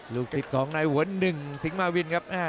ลูกศิษย์ของนายหัวหนึ่งสิงหมาวินครับ